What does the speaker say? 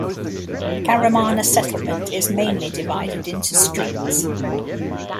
Karamana settlement is mainly divided into streets.